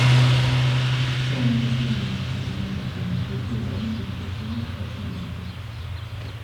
Ciò non avviene nella fase di immersione, poiché l'aumento di pressione è più lento.